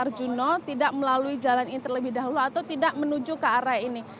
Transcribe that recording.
arjuna tidak melalui jalan ini terlebih dahulu atau tidak menuju ke area ini